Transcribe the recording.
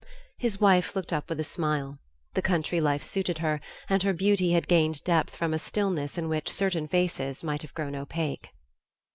His wife looked up with a smile. The country life suited her, and her beauty had gained depth from a stillness in which certain faces might have grown opaque.